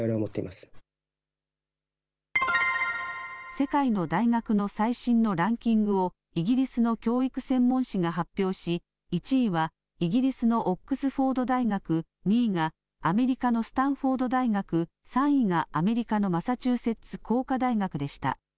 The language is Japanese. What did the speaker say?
世界の大学の最新のランキングをイギリスの教育専門誌が発表し１位はイギリスのオックスフォード大学２位がアメリカのスタンフォード大学３位がアメリカのマサチューセッツ工科大学でした。